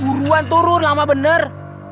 uruan turun lama bener